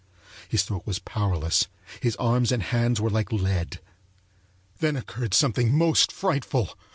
His throat was powerless, his arms and hands were like lead. Then occurred something most frightful.